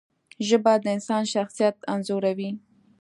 ژبه د انسان شخصیت انځوروي